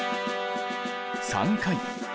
３回。